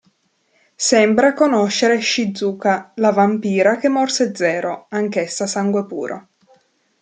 Sembra conoscere Shizuka, la vampira che morse Zero, anch'essa sangue puro.